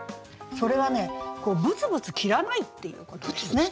それはねこうブツブツ切らないっていうことですね。